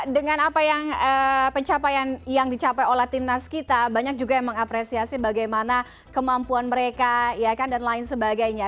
dengan apa yang pencapaian yang dicapai oleh timnas kita banyak juga yang mengapresiasi bagaimana kemampuan mereka dan lain sebagainya